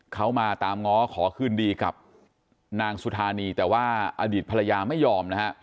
เขามาตามง้อขอคืนดีกับนางสุธานีแต่ว่าอดีตภรรยาไม่ยอมนะฮะ